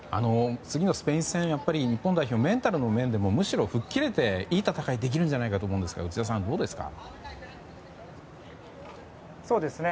次のスペイン戦日本代表メンタルの面でもむしろ吹っ切れていい戦いができると思いますが内田さん、どうですか？